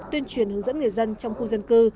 tuyên truyền hướng dẫn người dân trong khu dân cư